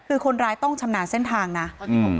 คือคนร้ายต้องชำนาญเส้นทางนะ